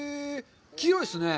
黄色いですね。